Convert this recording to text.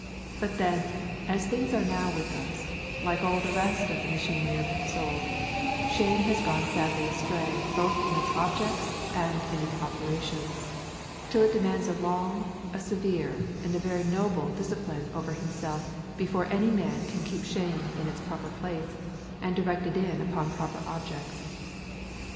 But then, as things now are with us, like all the rest of the machinery of the soul, shame has gone sadly astray both in its objects and in its operations, till it demands a long, a severe, and a very noble discipline over himself before any man can keep shame in its proper place and directed in upon its proper objects.